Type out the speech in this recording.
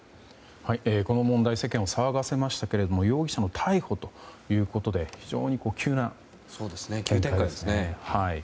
この問題世間を騒がせましたが容疑者の逮捕ということで急な展開です。